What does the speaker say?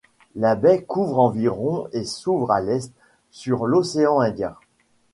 La baie couvre environ et s'ouvre à l'est, sur l'océan Indien.